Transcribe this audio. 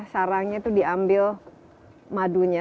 sarangnya itu diambil madunya